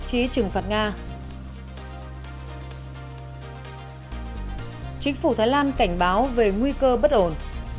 chính phủ thái lan cảnh báo về nguy cơ bất ổn